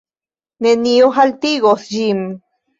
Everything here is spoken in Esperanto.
Nenio haltigos ĝin.